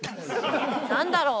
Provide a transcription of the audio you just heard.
何だろう？